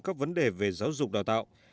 các vấn đề về giáo dục đào tạo